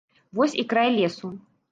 Вось і край лесу.